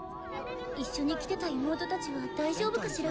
一緒に来てた妹たちは大丈夫かしら？